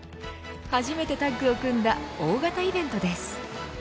初めてタッグを組んだ大型イベントです。